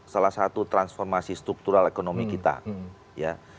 salah satu transformasi struktural ekonomi kita ya